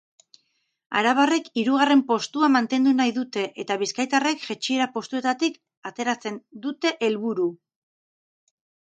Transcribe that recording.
Arabarrek hirugarren postua mantendu nahi dute eta bizkaitarrek jaitsiera postuetatik ateratzea dute helburu.